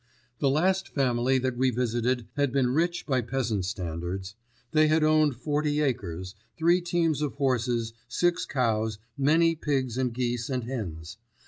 The last family that we visited had been rich by peasant standards. They had owned forty acres, three teams of horses, six cows, many pigs and geese and hens.